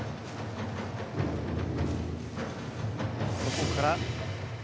そこから。